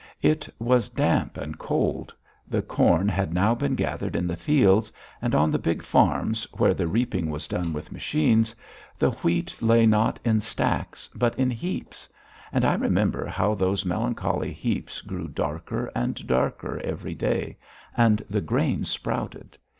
It was damp and cold; the corn had now been gathered in the fields, and on the big farms where the reaping was done with machines, the wheat lay not in stacks, but in heaps; and I remember how those melancholy heaps grew darker and darker every day, and the grain sprouted.